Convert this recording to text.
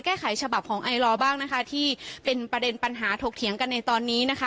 ฉบับของไอลอบ้างนะคะที่เป็นประเด็นปัญหาถกเถียงกันในตอนนี้นะคะ